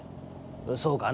「そうかな？」。